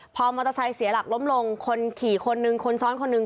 พอมอเตอร์ไซค์เสียหลักล้มลงคนขี่คนหนึ่งคนซ้อนคนหนึ่ง